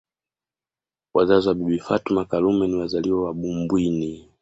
Wazazi wa Bibi Fatma Karume ni wazaliwa wa Bumbwini